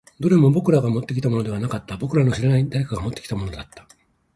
どれも僕らがもってきたものではなかった。僕らの知らない誰かが持ってきたものだった。